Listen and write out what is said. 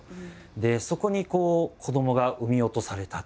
そこに子どもが産み落とされた。